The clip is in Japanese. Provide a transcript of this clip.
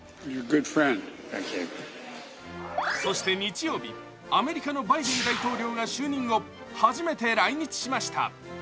そして日曜日、アメリカのバイデン大統領が就任後初めて来日しました。